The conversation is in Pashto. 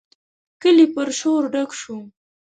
کلی پر شور ډک شو.